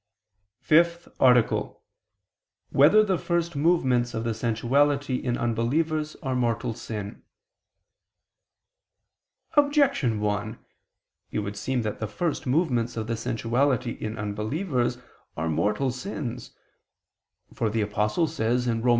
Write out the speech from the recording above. ________________________ FIFTH ARTICLE [I II, Q. 89, Art. 5] Whether the First Movements of the Sensuality in Unbelievers Are Mortal Sin? Objection 1: It would seem that the first movements of the sensuality in unbelievers are mortal sins. For the Apostle says (Rom.